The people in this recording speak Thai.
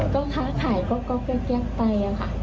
ก็ค้าขายก็แก๊กไปค่ะ